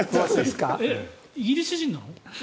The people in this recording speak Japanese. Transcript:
イギリス人なの？